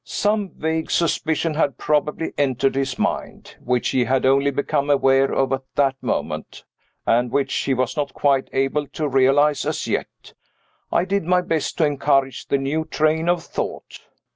Some vague suspicion had probably entered his mind, which he had only become aware of at that moment, and which he was not quite able to realize as yet. I did my best to encourage the new train of thought.